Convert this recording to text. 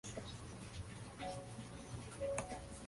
Jordan Michael, "Enciclopedia de los dioses".